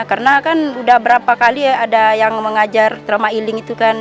karena kan udah berapa kali ada yang mengajar trauma iling itu kan